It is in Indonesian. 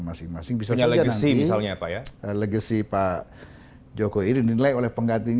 masing masing bisa lebih si misalnya apa ya legacy pak joko iri dinilai oleh penggantinya